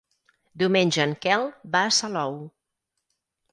Diumenge en Quel va a Salou.